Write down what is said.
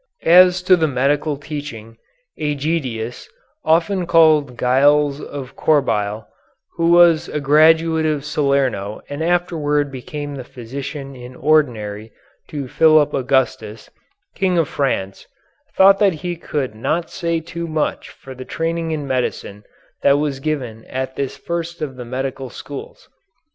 As to the medical teaching, Ægidius, often called Gilles of Corbeil, who was a graduate of Salerno and afterward became the physician in ordinary to Philip Augustus, King of France, thought that he could not say too much for the training in medicine that was given at this first of the medical schools.